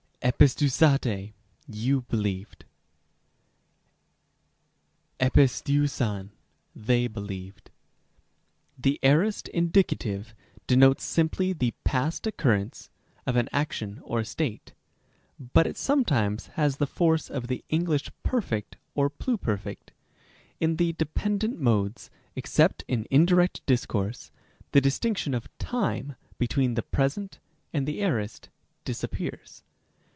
(Rom. xiii. 11.) ἐπιστεύσατε, you believed. (Matt. xxi. 32.) ἐπίστευσαν, they believed. (John ii. 22.) Rem. a. The aorist indicative denotes simply the past ocewrrence of an action or state ; but it sometimes has the force of the English perfect or pluperfect. In the dependent modes, except in indirect discourse, the distinction of time between the present and the aorist disappears.